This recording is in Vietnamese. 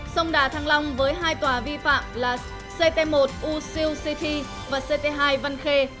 sông đà thăng long với hai tòa vi phạm là ct một u siêu city và cp hai văn khê